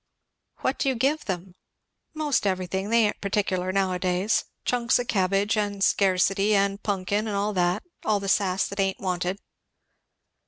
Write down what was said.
"What do you give them?" "'Most everything they ain't particler now a days chunks o' cabbage, and scarcity, and pun'kin and that all the sass that ain't wanted."